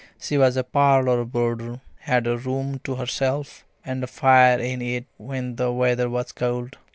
She was a parlour boarder, had a room to herself, and a fire in it when the weather was cold.